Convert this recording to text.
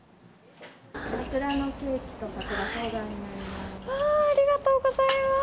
桜のケーキと桜ソーダになります。